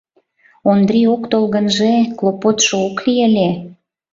Ондрий ок тол гынже, клопотшо ок лий ыле.